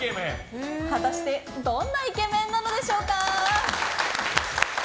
果たしてどんなイケメンなのでしょうか。